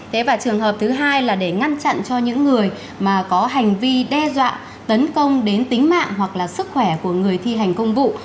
thế và trường hợp thứ hai là để ngăn chặn cho những người mà có hành vi đe dọa tấn công đến tính mạng hoặc là sức khỏe của người thi hành công vụ